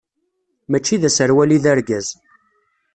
Mačči d aserwal i d argaz.